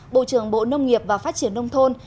bộ trưởng bộ nông nghiệp và phát triển nông thôn